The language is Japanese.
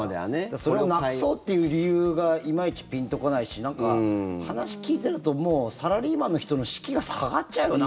それをなくそうという理由がいまいちピンと来ないしなんか話聞いてるとサラリーマンの人の士気が下がっちゃうよな